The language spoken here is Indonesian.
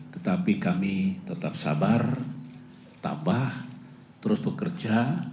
tetapi kami tetap sabar tabah terus bekerja